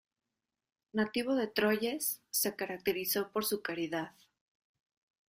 Nativo de Troyes, se caracterizó por su caridad.